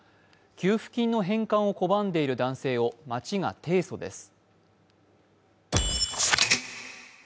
給付金の返還を拒んでいる男性を町が提訴です。